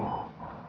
ya sebenarnya berat